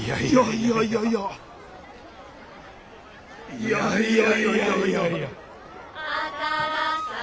いやいやいやいやいや。